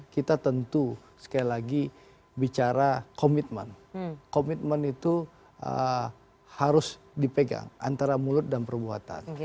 kita tentu sekali lagi bicara komitmen komitmen itu harus dipegang antara mulut dan perbuatan